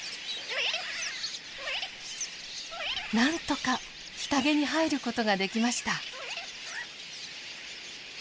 なんとか日陰に入ることができました。